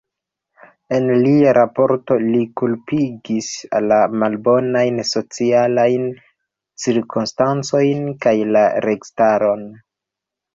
En lia raporto, li kulpigis la malbonajn socialajn cirkonstancojn kaj la registaron.